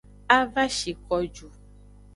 A va shi ko ju.